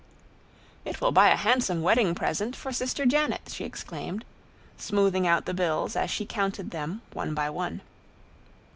"It will buy a handsome wedding present for Sister Janet!" she exclaimed, smoothing out the bills as she counted them one by one.